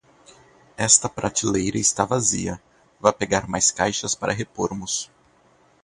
Esta prateleira está vazia, vá pegar mais caixas para repormos.